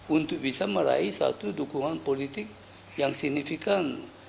untuk bisa meraih satu dukungan politik yang signifikan